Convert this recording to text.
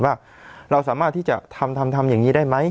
ว่าเราสามารถที่จะทำทำอย่างนี้ได้ไหม